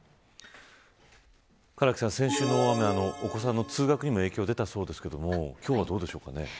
唐木さん、先週の大雨お子さんの通学にも影響が出たそうですけど今日はどうでしょうか。